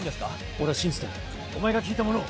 俺は信じてるお前が聞いたものを。